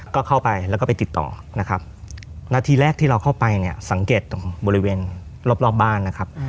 ก็เข้าไปแล้วก็ไปติดต่อนะครับนาทีแรกที่เราเข้าไปเนี่ยสังเกตตรงบริเวณรอบบ้านนะครับ